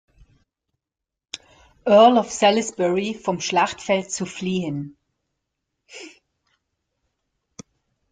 Earl of Salisbury, vom Schlachtfeld zu fliehen.